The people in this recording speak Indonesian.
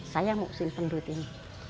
saya mau simpen duit ini